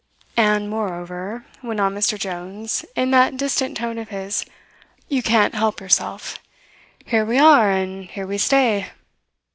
"And, moreover," went on Mr. Jones in that distant tone of his, "you can't help yourself. Here we are and here we stay.